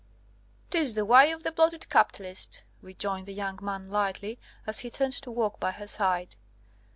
"'Tis the way of the bloated capitalist," rejoined the young man lightly, as he turned to walk by her side.